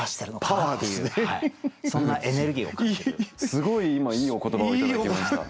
すごい今いいお言葉を頂きました。